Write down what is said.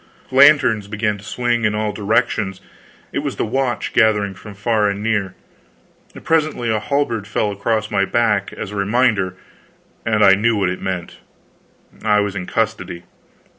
Lanterns began to swing in all directions; it was the watch gathering from far and near. Presently a halberd fell across my back, as a reminder, and I knew what it meant. I was in custody.